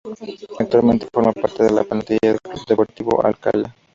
Actualmente forma parte de la plantilla del Club Deportivo Alcalá.